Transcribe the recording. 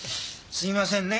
すみませんね。